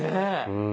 うん。